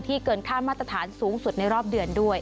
เกินค่ามาตรฐานสูงสุดในรอบเดือนด้วย